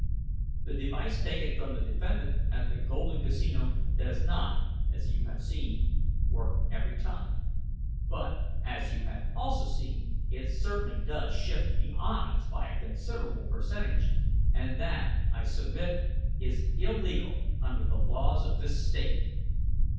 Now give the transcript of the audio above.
"The device taken from the defendant at the Golden Casino does not, as you have seen, work every time. But, as you have also seen, it certainly does shift the odds by a considerable percentage. And that, I submit, is illegal under the laws of this state."